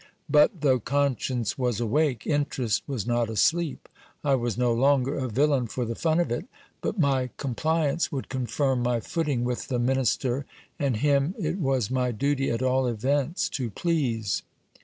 But though conscience was awake, interest was not asleep. I was no longer a villain j for the fun of it ; but my compliance would confirm my footing with the minis ter, and him it was my duty, at all events, to please.